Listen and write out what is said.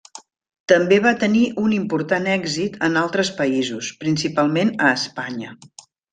També va tenir un important èxit en altres països, principalment a Espanya.